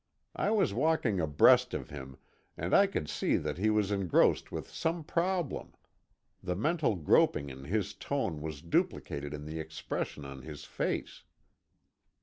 I was walking abreast of him, and I could see that he was engrossed with some problem; the mental groping in his tone was duplicated in the expression on his face.